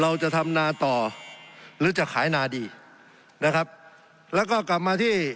เราจะทำนาต่อหรือจะขายนาดีนะครับแล้วก็กลับมาที่